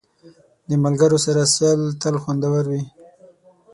د ملګرو سره سیل تل خوندور وي.